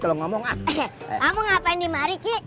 kamu ngapain dimari cik